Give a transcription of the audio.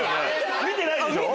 見てないでしょ？